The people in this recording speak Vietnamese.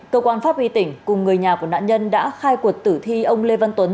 cơ quan pháp y tỉnh cùng người nhà của nạn nhân đã khai cuộc tử thi ông lê văn tuấn